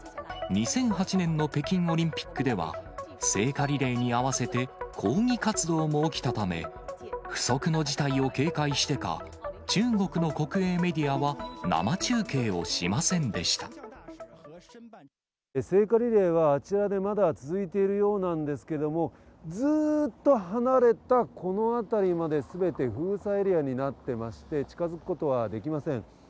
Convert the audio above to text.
２００８年の北京オリンピックでは、聖火リレーに合わせて、抗議活動も起きたため、不測の事態を警戒してか、中国の国営メディアは生中継をしません聖火リレーは、あちらでまだ続いているようなんですけれども、ずーっと離れたこの辺りまで、すべて封鎖エリアになっていまして、近づくことはできません。